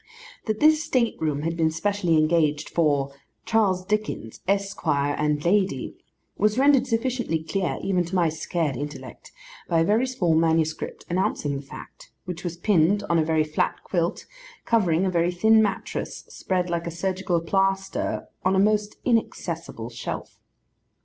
That this state room had been specially engaged for 'Charles Dickens, Esquire, and Lady,' was rendered sufficiently clear even to my scared intellect by a very small manuscript, announcing the fact, which was pinned on a very flat quilt, covering a very thin mattress, spread like a surgical plaster on a most inaccessible shelf.